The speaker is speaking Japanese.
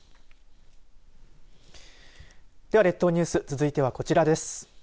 では列島ニュース続いてはこちらです。